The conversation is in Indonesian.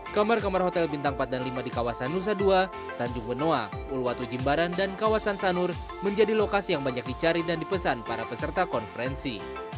kamar kamar hotel bintang empat dan lima di kawasan nusa dua tanjung benoa uluwatu jimbaran dan kawasan sanur menjadi lokasi yang banyak dicari dan dipesan para peserta konferensi